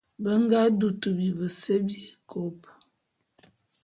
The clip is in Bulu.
Be nga dutu bivese bié ékôp.